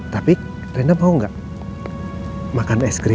tapi rena mau gak makan es krim